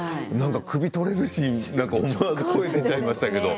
首が取れるシーン思わず声、出ちゃいましたけど。